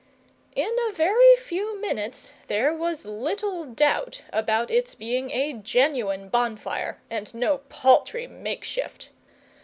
In a very few minutes there was little doubt about its being a genuine bonfire and no paltry makeshift.